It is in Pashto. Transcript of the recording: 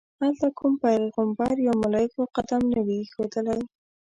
هلته کوم پیغمبر یا ملایکو قدم نه وي ایښودلی.